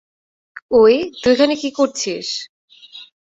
ওই, তুই ওখানে কি করছিস?